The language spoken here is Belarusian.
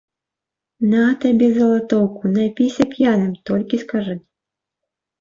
На табе яшчэ залатоўку, напіся п'яным, толькі скажы.